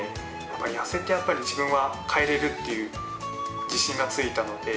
痩せてやっぱり自分は変えれるっていう自信がついたので。